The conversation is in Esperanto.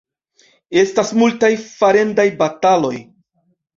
Estas multaj farendaj bataloj.